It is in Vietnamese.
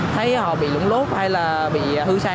thấy họ bị lũng lốt hay là bị hư sá